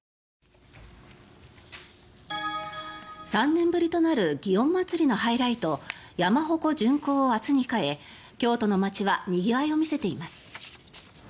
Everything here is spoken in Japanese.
３年ぶりとなる祇園祭のハイライト山鉾巡行を明日に控え京都の街はにぎわいを見せています。